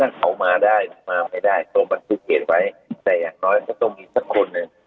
ตรงมาได้ถึงมาไม่ได้โทรมาติดเหตุไว้แต่อย่างน้อยก็ต้องมีสักคน